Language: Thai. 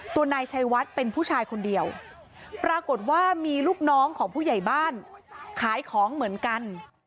นายชัยวัดเป็นผู้ชายคนเดียวปรากฏว่ามีลูกน้องของผู้ใหญ่บ้านขายของเหมือนกัน